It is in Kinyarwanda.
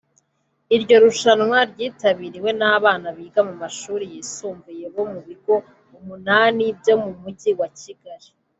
Iryo rushanwa ryitabiriwe n’abana biga mu mashuri yisumbuye bo mu bigo umunani byo mu mujyi wa Kigali